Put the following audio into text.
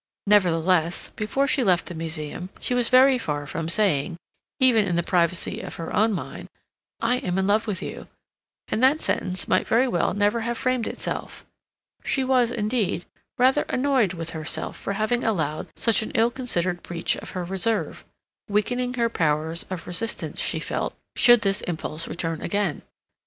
Nevertheless, before she left the Museum she was very far from saying, even in the privacy of her own mind, "I am in love with you," and that sentence might very well never have framed itself. She was, indeed, rather annoyed with herself for having allowed such an ill considered breach of her reserve, weakening her powers of resistance, she felt, should this impulse return again.